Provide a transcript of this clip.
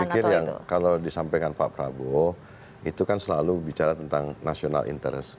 saya pikir yang kalau disampaikan pak prabowo itu kan selalu bicara tentang national interest